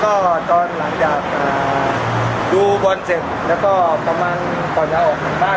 ก็จะบอกว่ามีชุดของของเรานอีกสิ่งสุดท้าย